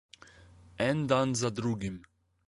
En dan za drugim.